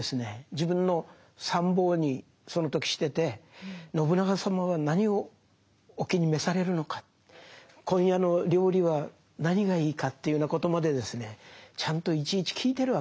自分の参謀にその時してて信長様は何をお気に召されるのか今夜の料理は何がいいかというようなことまでちゃんといちいち聞いてるわけですね。